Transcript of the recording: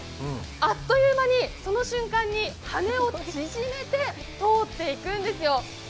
あっという間にその瞬間に羽を縮めて通っていくんですよ。